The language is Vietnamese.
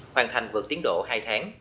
hoàn thành vượt tiến độ hai tháng